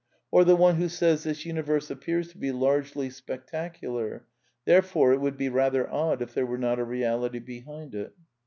Or the one who says : This universe appears to ^vX Vbe largely spectacular ; therefore it would be rather odd if \ Vhere were not a reality behind it